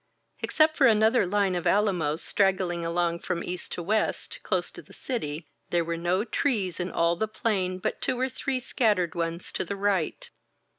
Except for another line of alamos straggling across from east to west, close to the city, there were no trees in all the plain but two or three scattered ones to the right.